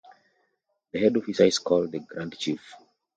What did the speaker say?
The head officer is called the grand chief.